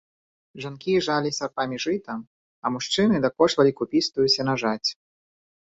Жанкі жалі сярпамі жыта, а мужчыны дакошвалі купістую сенажаць.